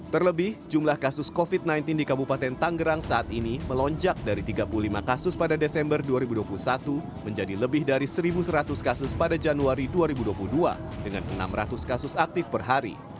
terlebih jumlah kasus covid sembilan belas di kabupaten tanggerang saat ini melonjak dari tiga puluh lima kasus pada desember dua ribu dua puluh satu menjadi lebih dari satu seratus kasus pada januari dua ribu dua puluh dua dengan enam ratus kasus aktif per hari